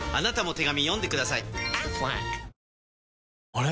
あれ？